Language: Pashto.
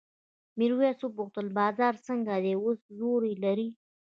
میرويس وپوښتل بازار څنګه دی اوس زور لري؟